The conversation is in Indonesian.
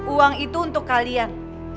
uang itu untuk kalian